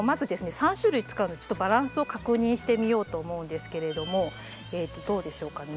３種類使うのでちょっとバランスを確認してみようと思うんですけれどもどうでしょうかね。